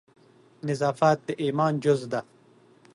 نظافت د ایمان جز ده